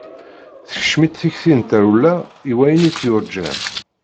Tekcem-itt tikti n trewla i wayen i tt-yurǧan.